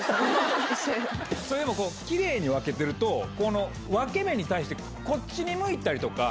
でもキレイに分けてると分け目に対してこっちに向いたりとか。